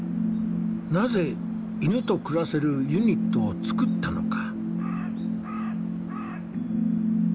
なぜ犬と暮らせるユニットを作ったのか。